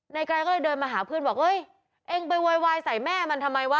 ไกรก็เลยเดินมาหาเพื่อนบอกเอ้ยเองไปโวยวายใส่แม่มันทำไมวะ